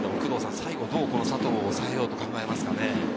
最後、どうこの佐藤を抑えようとしますかね。